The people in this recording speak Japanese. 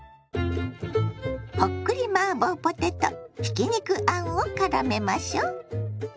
ほっくりマーボーポテトひき肉あんをからめましょ。